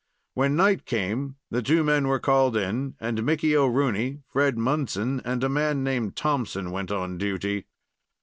When night came, the two men were called in, and Mickey O'Rooney, Fred Munson, and a man named Thompson went on duty.